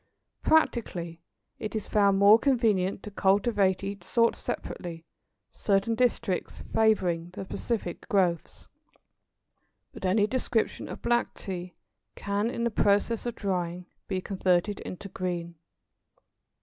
Practically it is found more convenient to cultivate each sort separately, certain districts favouring the specific growths. But any description of black Tea can, in the process of drying, be converted into green.